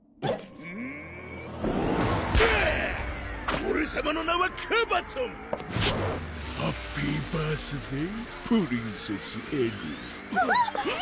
オレさまの名はカバトンハッピーバースデープリンセス・エルあぁっ！